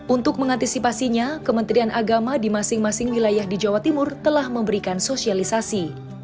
untuk mengantisipasinya kementerian agama di masing masing wilayah di jawa timur telah memberikan sosialisasi